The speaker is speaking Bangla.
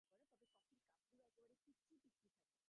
কোথায়, তার ঠিকানাও জানি নে।